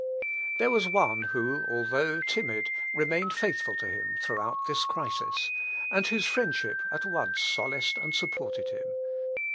There was one who, although timid, remained faithful to him throughout this crisis, and whose friendship at once solaced and supported him.